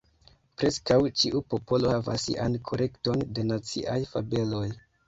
Preskaŭ ĉiu popolo havas sian kolekton de naciaj fabeloj.